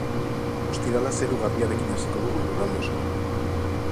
Ostirala zeru garbiarekin hasiko dugu lurralde osoan.